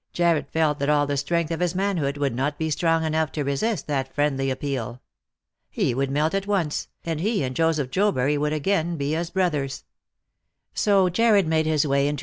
" Jarred felt that all the strength of his manhood would not be strong enough to resist that friendly appeal. He would melt at once, and he and Joseph Jobury •would a^ain be as brothers. So Jarred made his way into 354 Lost for Love.